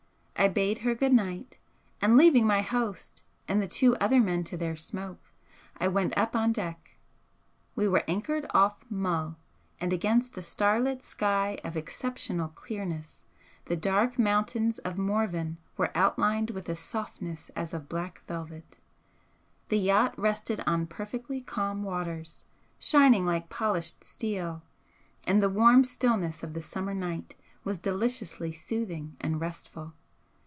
I bade her good night, and, leaving my host and the two other men to their smoke, I went up on deck. We were anchored off Mull, and against a starlit sky of exceptional clearness the dark mountains of Morven were outlined with a softness as of black velvet. The yacht rested on perfectly calm waters, shining like polished steel, and the warm stillness of the summer night was deliciously soothing and restful.